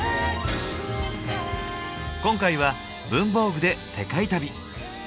今回は「文房具」で世界旅！